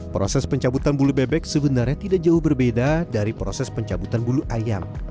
proses pencabutan bulu bebek sebenarnya tidak jauh berbeda dari proses pencabutan bulu ayam